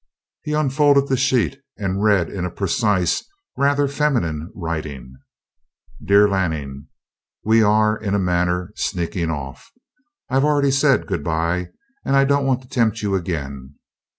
He unfolded the sheet and read in a precise, rather feminine writing: Dear Lanning: We are, in a manner, sneaking off. I've already said good by, and I don't want to tempt you again.